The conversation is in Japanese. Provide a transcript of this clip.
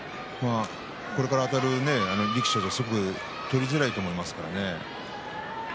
これから、あたる力士は取りづらいと思います。